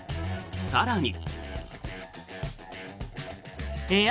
更に。